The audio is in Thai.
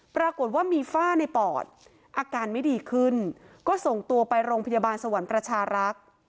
ปรากฏว่ามีฝ้าในปอดอาการไม่ดีขึ้นก็ส่งตัวไปโรงพยาบาลสวรรค์ประชารักษ์